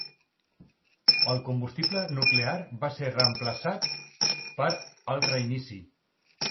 El combustible nuclear va ser reemplaçat per al reinici.